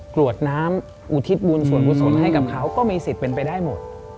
กรวดน้ำอุทิศบุญส่วนกุศลให้กับเขาก็มีสิทธิ์เป็นไปได้หมด